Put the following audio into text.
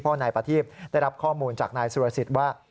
เพราะนายประทีพได้รับข้อมูลจากนายสุรสิทธิ์ว่า